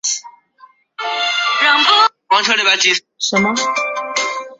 制作电脑病毒的日本男性制作者成为史上第一位因网路犯罪被判处死刑的人。